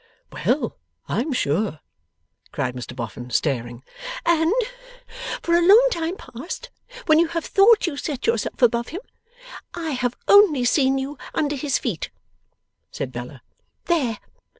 'Well I'm sure!' cried Mr Boffin, staring. 'And for a long time past, when you have thought you set yourself above him, I have only seen you under his feet,' said Bella 'There!